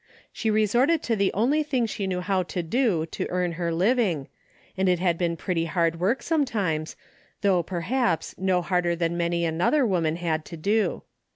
She resorted to the only thing she kneAV how to do to earn her living, and it had been pretty hard work sometimes, though, perhaps, no harder than many another Avoman had to do.